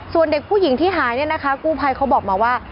ส่วนเด็กผู้หญิงที่หายเนี่ยนะคะกู้ภัยเขาบอกมาว่า